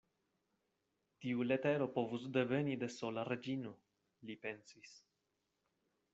Tiu letero povus deveni de sola Reĝino, li pensis.